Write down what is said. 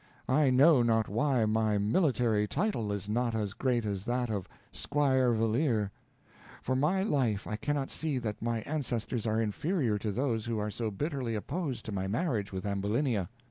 I know not why my military title is not as great as that of Squire Valeer. For my life I cannot see that my ancestors are inferior to those who are so bitterly opposed to my marriage with Ambulinia.